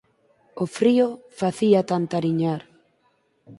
O frío facíaa tantariñar.